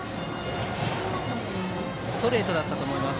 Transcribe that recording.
ストレートだったと思います。